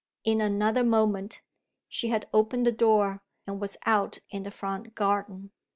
In another moment, she had opened the door, and was out in the front garden.